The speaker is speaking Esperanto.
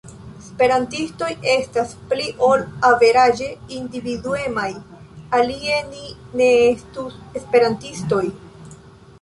Esperantistoj estas pli ol averaĝe individuemaj alie ni ne estus esperantistoj.